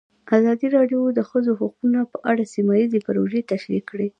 ازادي راډیو د د ښځو حقونه په اړه سیمه ییزې پروژې تشریح کړې.